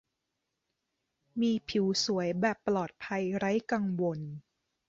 มีผิวสวยแบบปลอดภัยไร้กังวล